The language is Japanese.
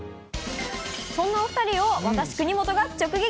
そんなお２人を私、国本が直撃。